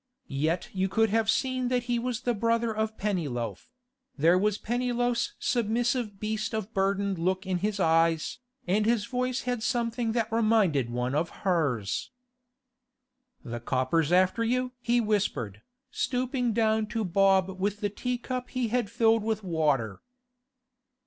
Yet you could have seen that he was the brother of Pennyloaf; there was Pennyloaf's submissive beast of burden look in his eyes, and his voice had something that reminded one of hers. 'The coppers after you?' he whispered, stooping down to Bob with the tea cup he had filled with water.